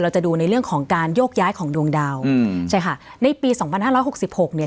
จะดูในเรื่องของการโยกย้ายของดวงดาวอืมใช่ค่ะในปีสองพันห้าร้อยหกสิบหกเนี่ย